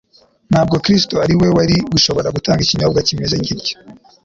Ntabwo Kristo ari we wari gushobora gutanga ikinyobwa kimeze gityo.